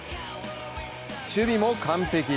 守備も完璧。